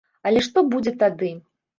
Але што будзе тады?